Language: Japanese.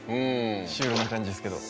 シュールな感じですけど。